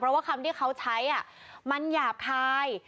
เพราะว่าคำที่เขาใช้มันหยาบคาย